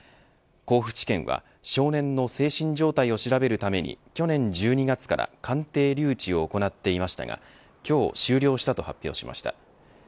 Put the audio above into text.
甲府地検は少年の精神状態を調べるために去年１２月から鑑定留置を行っていましたが今日、終了したと発表しました。